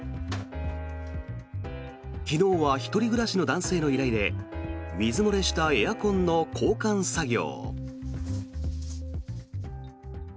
昨日は１人暮らしの男性の依頼で水漏れしたエアコンの交換作業。